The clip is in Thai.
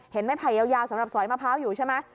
ไม้ไผ่ยาวสำหรับสอยมะพร้าวอยู่ใช่ไหม